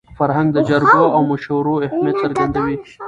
فرهنګ د جرګو او مشورو اهمیت څرګندوي.